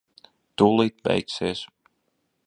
Tūlīt beigsies.